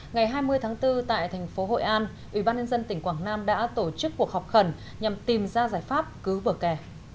ngày hai mươi tháng bốn tại thành phố hội an ubnd tỉnh quảng nam đã tổ chức cuộc họp khẩn nhằm tìm ra giải pháp cứu bờ kè